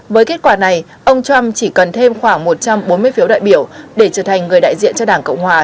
với kết quả này ông trump chỉ cần thêm khoảng một trăm bốn mươi phiếu đại biểu để trở thành người đại diện cho đảng cộng hòa